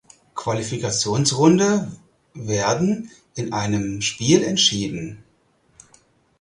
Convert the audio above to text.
Qualifikationsrunde werden in einem Spiel entschieden.